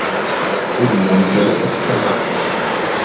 إلَّا امْتَلَأَتْ تَرَحًا